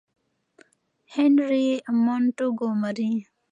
- هنري مونټګومري :